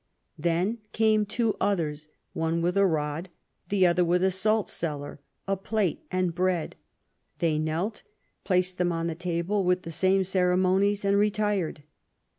Then came two others, one with a rod, the other with a salt cellar, a plate and bread ; they knelt, placed them on the table with the same ceremonies, and retired.